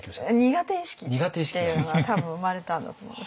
苦手意識っていうのが多分生まれたんだと思うんですね。